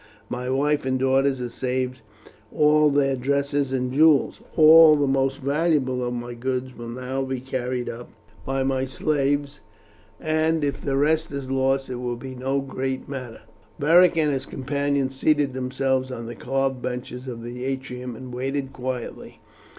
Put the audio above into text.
My wife and daughters have saved all their dresses and jewels. All the most valuable of my goods will now be carried up by my slaves, and if the rest is lost it will be no great matter." Beric and his companions seated themselves on the carved benches of the atrium and waited quietly.